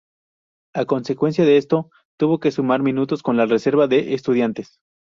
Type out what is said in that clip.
A consecuencia de esto, tuvo que sumar minutos con la reserva de Estudiantes.